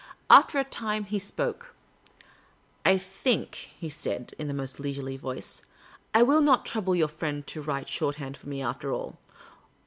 After a time he spoke. " I think,'''' he said, in a most leisurely voice, " I will not trouble your friend to write shorthand for me, after all.